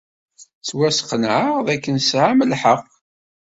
Ttwasqenɛeɣ dakken tesɛam lḥeqq.